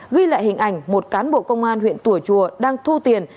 ghi lại hình ảnh một cán bộ công an huyện tùa chùa đang thu tiền